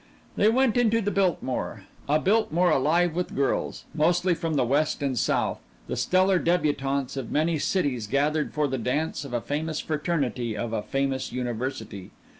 They went into the Biltmore a Biltmore alive with girls mostly from the West and South, the stellar débutantes of many cities gathered for the dance of a famous fraternity of a famous university.